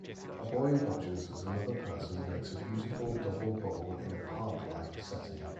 A boy watches as another person makes a beautiful double bubble in a parklike setting.